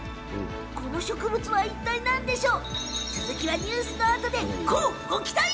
この植物はいったい何なんでしょう？